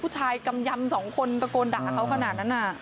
อ๋อปูชายกำย่ำสองคนน่ะโกนด่าเขาขนาดนั้นอ่ะ